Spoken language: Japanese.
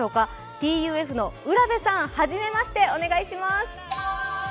ＴＵＦの浦部さん、はじめまして、よろしくお願いします。